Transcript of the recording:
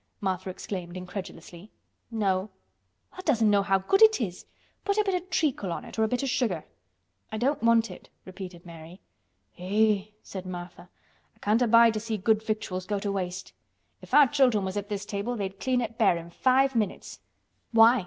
Martha exclaimed incredulously. "No." "Tha' doesn't know how good it is. Put a bit o' treacle on it or a bit o' sugar." "I don't want it," repeated Mary. "Eh!" said Martha. "I can't abide to see good victuals go to waste. If our children was at this table they'd clean it bare in five minutes." "Why?"